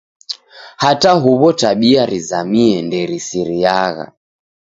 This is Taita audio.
Hata huw'o tabia rizamie nderisiriagha.